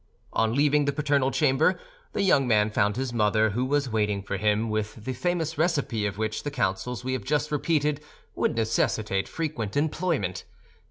On leaving the paternal chamber, the young man found his mother, who was waiting for him with the famous recipe of which the counsels we have just repeated would necessitate frequent employment.